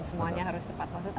semuanya harus tepat waktu